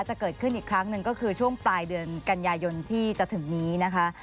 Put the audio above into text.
จะเกิดขึ้นอีกครั้งหนึ่งก็คือช่วงปลายเดือนกันยายนที่จะถึงนี้นะคะ